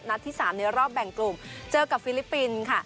ที่๓ในรอบแบ่งกลุ่มเจอกับฟิลิปปินส์ค่ะ